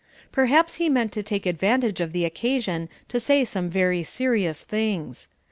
Perhaps he meant to take advantage of the occasion to say some very serious things.